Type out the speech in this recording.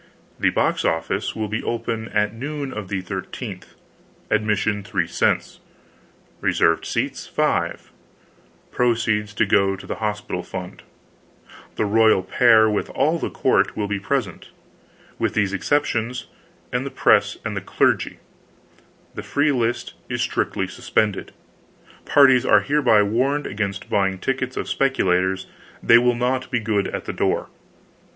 The box office will be open at noon of the 13th; ad mission 3 cents, reserved seatsh 5; pro ceeds to go to the hospital fund The royal pair and all the Court will be pres ent. With these exceptions, and the press and the clergy, the free list is strict ly susPended. Parties are hereby warn ed against buying tickets of speculators; they will not be good at the door.